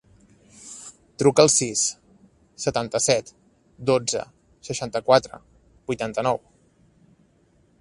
Truca al sis, setanta-set, dotze, seixanta-quatre, vuitanta-nou.